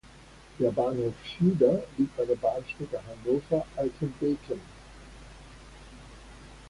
Der Bahnhof Schieder liegt an der Bahnstrecke Hannover–Altenbeken.